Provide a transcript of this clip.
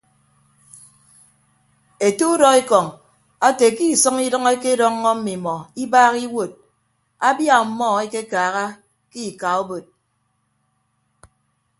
Ete udọekọñ ete ke isʌñ idʌñ ekedọññọ mmimọ ibaaha iwuod abia ọmmọ ekekaaha ke ika obod.